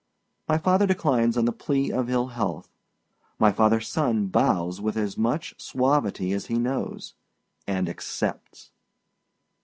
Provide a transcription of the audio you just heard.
My father declines on the plea of ill health. My fatherâs son bows with as much suavity as he knows, and accepts.